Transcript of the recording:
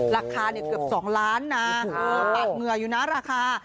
ราคาเกือบ๒ล้านนะปาดเหงื่ออยู่นะราคา